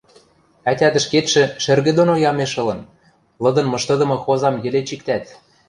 — Ӓтят ӹшкетшӹ шӹргӹ доно ямеш ылын, лыдын мыштыдымы хозам йӹле чиктӓт.